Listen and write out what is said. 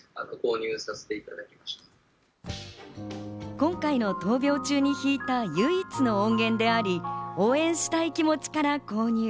今回の闘病中に弾いた唯一の音源であり、応援したい気持ちから購入。